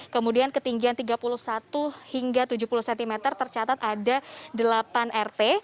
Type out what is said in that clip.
kemudian ketinggian tiga puluh satu hingga tujuh puluh cm tercatat ada delapan rt